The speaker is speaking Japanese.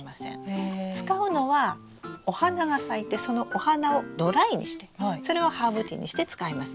使うのはお花が咲いてそのお花をドライにしてそれをハーブティーにして使います。